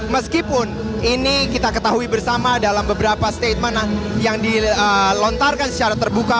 meskipun ini kita ketahui bersama dalam beberapa statement yang dilontarkan secara terbuka